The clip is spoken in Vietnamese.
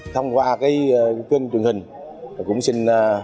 thông qua kênh truyền hình cũng xin